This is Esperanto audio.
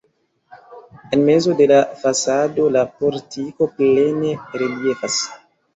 En mezo de la fasado la portiko plene reliefas.